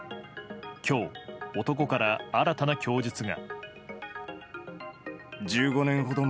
今日、男から新たな供述が。